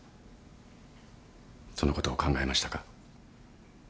そのことを考えましたか？